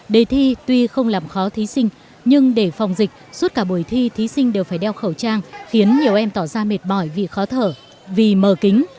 đề thi tuy không làm khó thí sinh nhưng để phòng dịch suốt cả buổi thi thí sinh đều phải đeo khẩu trang khiến nhiều em tỏ ra mệt mỏi vì khó thở vì mờ kính